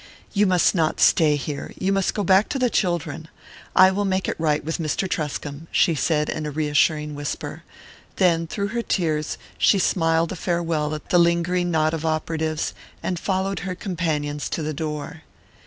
"You must not stay here you must go back to the children. I will make it right with Mr. Truscomb," she said in a reassuring whisper; then, through her tears, she smiled a farewell at the lingering knot of operatives, and followed her companions to the door.